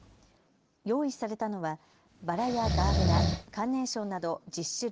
用意されたのはバラやガーベラ、カーネーションなど１０種類